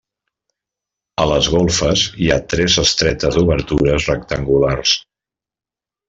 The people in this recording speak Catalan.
A les golfes hi ha tres estretes obertures rectangulars.